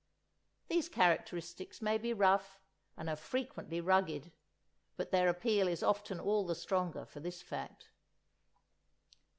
These characteristics may be rough, and are frequently rugged; but their appeal is often all the stronger for this fact.